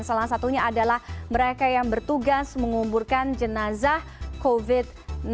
salah satunya adalah mereka yang bertugas mengumburkan jenazah covid sembilan belas